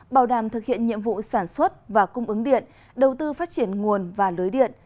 bảo đảm thực hiện nhiệm vụ sản xuất và cung ứng điện đầu tư phát triển nguồn và lưới điện